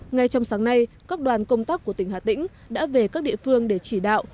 ngay trong sáng nay các đoàn công tác của tỉnh hà tĩnh đã về các địa phương để chỉ đạo